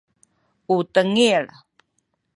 u tengil